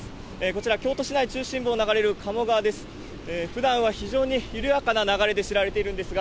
こちら、京都市内中心部を流れる鴨川です。